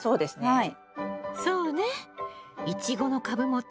はい。